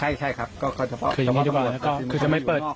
ใช่ใช่ครับก็จะบอกคืออย่างนี้ดีกว่าก็คือจะไม่เปิด